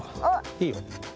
いいよ。